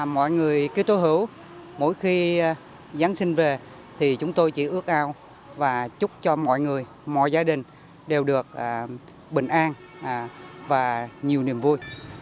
mọi người cứ tối hữu mỗi khi giáng sinh về thì chúng tôi chỉ ước ao và chúc cho mọi người mọi gia đình đều được bình an và nhiều niềm vui